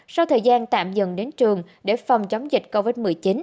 sau thời gian tạm dừng đến trường để phòng chống dịch covid một mươi chín